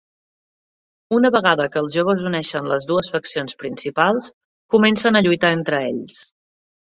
Una vegada que els joves uneixen a les dues faccions principals, comencen a lluitar entre ells.